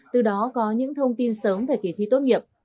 từ đó có những thông tin sớm về kỳ thi tốt nghiệp